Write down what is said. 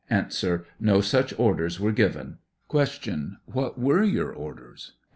No such orders were given ? Q. What were your orders ? A.